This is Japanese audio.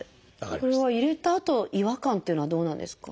これは入れたあと違和感っていうのはどうなんですか？